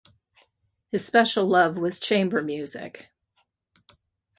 His special love was chamber music.